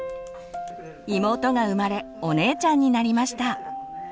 妹が生まれお姉ちゃんになりました。